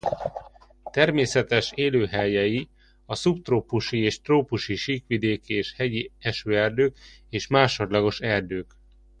Természetes élőhelyei a szubtrópusi és trópusi síkvidéki és hegyi esőerdők és másodlagos erdők.